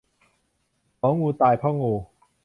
หมองูตายเพราะงู